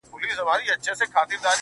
هره ورځ انتظار، هره شپه انتظار~